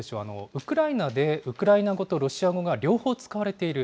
ウクライナでウクライナ語とロシア語が両方使われている。